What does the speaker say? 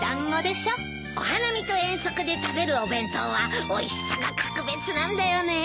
お花見と遠足で食べるお弁当はおいしさが格別なんだよね。